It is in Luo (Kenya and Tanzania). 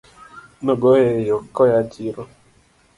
Nogoye e yoo koyaa chiro